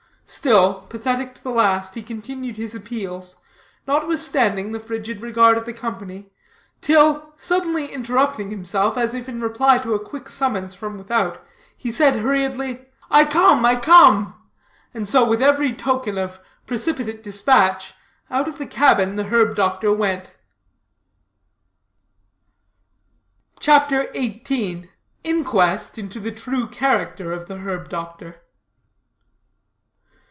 Still, pathetic to the last, he continued his appeals, notwithstanding the frigid regard of the company, till, suddenly interrupting himself, as if in reply to a quick summons from without, he said hurriedly, "I come, I come," and so, with every token of precipitate dispatch, out of the cabin the herb doctor went. CHAPTER XVIII. INQUEST INTO THE TRUE CHARACTER OF THE HERB DOCTOR.